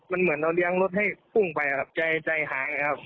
มันเหมือนเราเลี้ยงรถให้พุ่งไปครับใจใจหายครับ